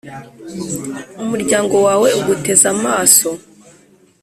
Umuryango wawe uguteze amaso